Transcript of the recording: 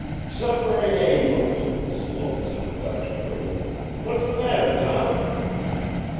"Suffering angels!" Sloane sympathized shrilly. "What's the matter, Tom?"